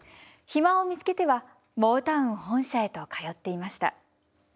暇を見つけてはモータウン本社へと通っていました。